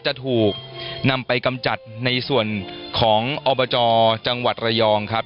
จะถูกนำไปกำจัดในส่วนของอบจจังหวัดระยองครับ